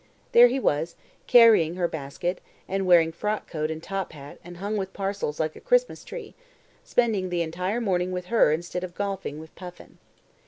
There he was, carrying her basket, and wearing frock coat and top hat and hung with parcels like a Christmas tree, spending the entire morning with her instead of golfing with Puffin.